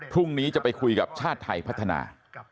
พรุ่งนี้จะไปคุยกับชาติไทยพัฒนา